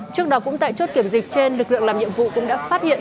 trước đó cũng tại chốt kiểm dịch trên lực lượng làm nhiệm vụ cũng đã phát hiện